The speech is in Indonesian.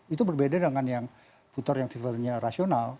itu berbeda dengan yang putar yang sifatnya rasional